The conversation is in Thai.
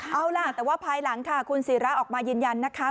เอาล่ะแต่ว่าภายหลังค่ะคุณศิราออกมายืนยันนะคะ